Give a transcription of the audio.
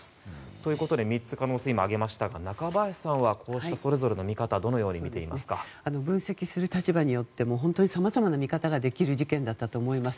ということで３つの可能性を挙げましたが、中林さんはこうしたそれぞれの見方をどのように見ていますか。分析する立場によってさまざまな見方ができる事件だったと思います。